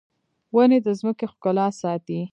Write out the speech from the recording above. ونې د ځمکې ښکلا ساتي